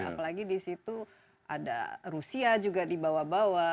apalagi di situ ada rusia juga dibawa bawa